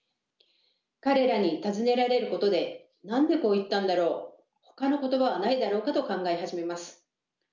彼らに尋ねられることで何でこう言ったんだろう？ほかの言葉はないだろうかと考え始めます。